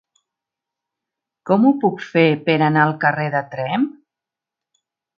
Com ho puc fer per anar al carrer de Tremp?